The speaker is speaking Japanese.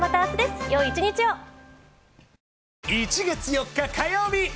１月４日火曜日。